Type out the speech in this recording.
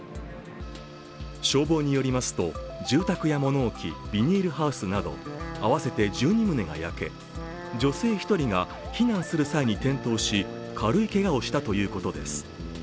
消防によりますと住宅や物置ビニールハウスなど合わせて１２棟が焼け女性１人が避難する際に転倒し軽いけがをしたということです。